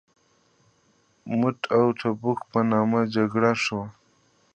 موته او تبوک په نامه جګړې شوي.